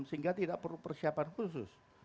sehingga tidak perlu persiapan khusus